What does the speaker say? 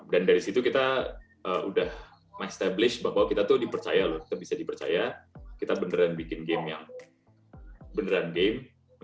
dan dari situ kita udah menetapkan bahwa kita tuh dipercaya lho kita bisa dipercaya kita beneran bikin game yang beneran game